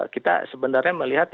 kita sebenarnya melihat